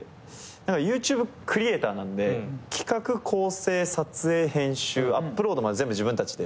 ＹｏｕＴｕｂｅクリエイターなんで企画構成撮影編集アップロードまで全部自分たちでやるじゃないですか。